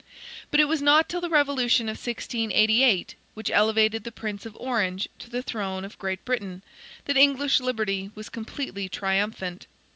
But it was not till the revolution in 1688, which elevated the Prince of Orange to the throne of Great Britain, that English liberty was completely triumphant.